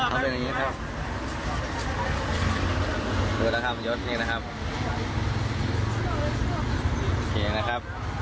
เอาเป็นอย่างนี้นะครับ